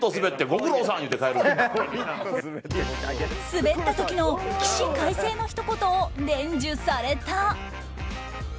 スベった時の起死回生のひと言を伝授された。